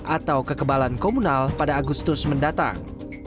atau kekebalan komunal pada agustus mendatang